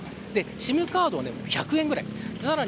ＳＩＭカードは１００円ぐらい。